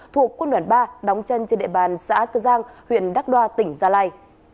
thuộc quân đoàn ba đóng chân trên địa bàn xã cơ giang huyện đắc đoa tỉnh gia lai